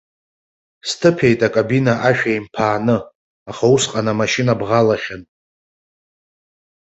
Сҭыԥеит акабина ашә еимԥааны, аха усҟан амашьына бӷалахьан.